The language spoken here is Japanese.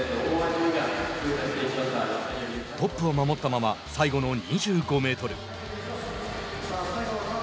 トップを守ったまま最後の２５メートル。